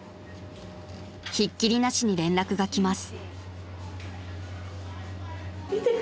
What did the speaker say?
［ひっきりなしに連絡が来ます］